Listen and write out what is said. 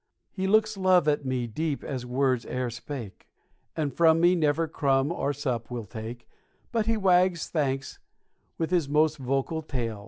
He looks love at me deep as words e'er spake, And from me never crumb or sup will take But he wags thanks with his most vocal tail.